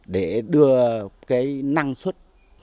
để đưa cái năng suất